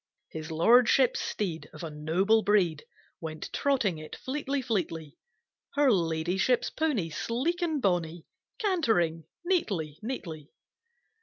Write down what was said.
His Lordship's Steed Of a noble breed Went trotting it fleetly, fleetly, Her Ladyship's pony, Sleek and bonny Cantering neatly, neatly.